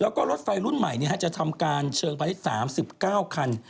แล้วก็รถไฟรุ่นใหม่จะทำการเชิงพาณิชย์๓๙คัน